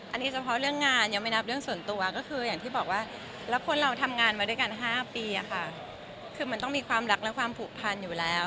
อันนี้เฉพาะเรื่องงานยังไม่นับเรื่องส่วนตัวก็คืออย่างที่บอกว่าแล้วคนเราทำงานมาด้วยกัน๕ปีค่ะคือมันต้องมีความรักและความผูกพันอยู่แล้ว